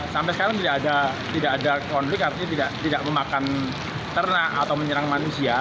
sampai sekarang tidak ada konflik artinya tidak memakan ternak atau menyerang manusia